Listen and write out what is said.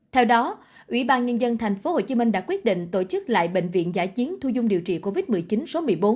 theo đó ubnd tp hcm đã quyết định tổ chức lại bệnh viện giải chiến thu dung điều trị covid một mươi chín số một mươi bốn